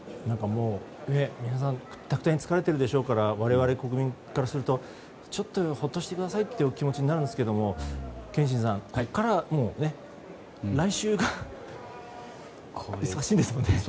皆さん、クタクタに疲れてるでしょうから我々、国民からするとちょっとほっとしてくださいってお気持ちになるんですけど憲伸さん、ここからは来週が忙しいんですもんね。